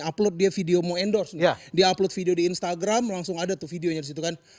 upload dia video mau endorse dia upload video di instagram langsung ada tuh videonya disitu kan